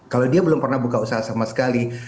kalau dia belum pernah buka usaha sama sekali